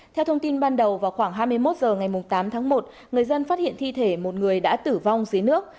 theo thông tin ban đầu vào khoảng hai mươi một h ngày tám tháng một người dân phát hiện thi thể một người đã tử vong dưới nước